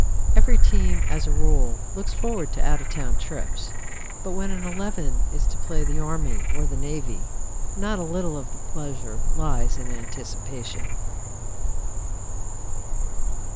Every team, as a rule, looks forward to out of town trips, but when an eleven is to play the Army or the Navy, not a little of the pleasure lies in anticipation.